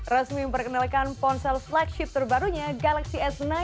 resmi memperkenalkan ponsel flagship terbarunya galaxy s sembilan